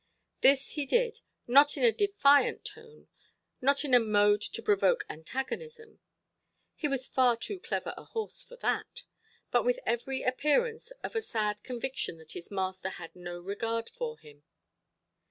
This he did, not in a defiant tone, not in a mode to provoke antagonism; he was far too clever a horse for that; but with every appearance of a sad conviction that his master had no regard for him.